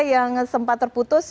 yang sempat terputus